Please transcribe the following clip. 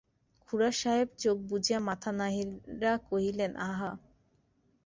খুড়াসাহেব চোখ বুজিয়া মাথা নাড়িয়া কহিলেন, আহা!